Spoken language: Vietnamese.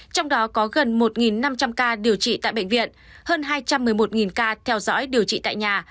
trong đó có gần một năm trăm linh ca điều trị tại bệnh viện hơn hai trăm một mươi một ca theo dõi điều trị tại nhà